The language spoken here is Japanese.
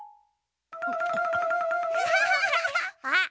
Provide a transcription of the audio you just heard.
あっ！